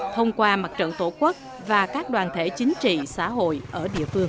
thông qua mặt trận tổ quốc và các đoàn thể chính trị xã hội ở địa phương